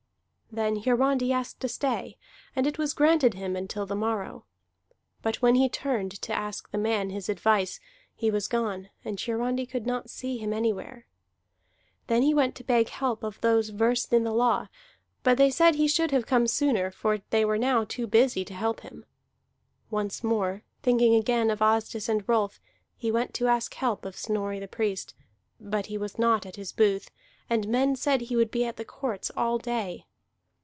Then Hiarandi asked a stay, and it was granted him until the morrow. But when he turned to ask the man his advice, he was gone, and Hiarandi could not see him anywhere. Then he went to beg help of those versed in the law, but they said he should have come sooner, for they were now too busy to help him. Once more, thinking again of Asdis and Rolf, he went to ask help of Snorri the Priest; but he was not at his booth, and men said he would be at the courts all day.